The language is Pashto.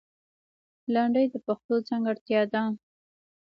لندۍ د پښتو ځانګړتیا ده